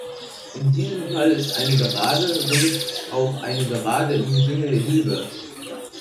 In diesem Fall ist eine Gerade somit auch eine Gerade im Sinne Hilberts.